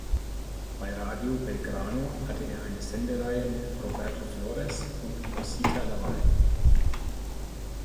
Bei Radio Belgrano hatte er eine Sendereihe mit Roberto Flores und Rosita Lavalle.